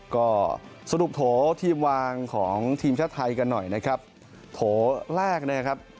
ก็สรุปโถทีมวางของทีมชาติไทยกันหน่อยนะครับโถแรกนะครับ